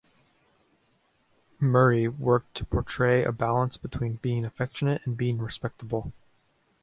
Murray worked to portray a balance between being affectionate and being "respectable".